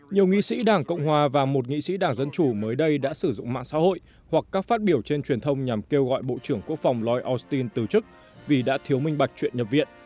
nhiều nghị sĩ đảng cộng hòa và một nghị sĩ đảng dân chủ mới đây đã sử dụng mạng xã hội hoặc các phát biểu trên truyền thông nhằm kêu gọi bộ trưởng quốc phòng lloyd austin từ chức vì đã thiếu minh bạch chuyện nhập viện